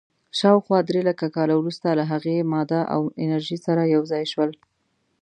شاوخوا درېلکه کاله وروسته له هغې، ماده او انرژي سره یو ځای شول.